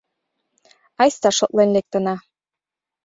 Айста шотлен лектына.